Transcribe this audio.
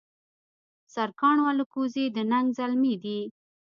سرکاڼو الکوزي د ننګ زلمي دي